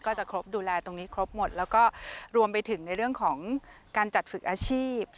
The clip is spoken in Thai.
ก็จะครบดูแลตรงนี้ครบหมดแล้วก็รวมไปถึงในเรื่องของการจัดฝึกอาชีพ